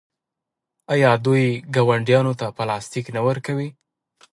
آیا دوی ګاونډیانو ته پلاستیک نه ورکوي؟